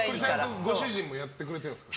ちゃんとご主人もやってくれてるんですか？